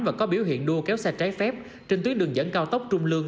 và có biểu hiện đua kéo xe trái phép trên tuyến đường dẫn cao tốc trung lương